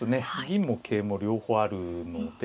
銀も桂も両方あるので。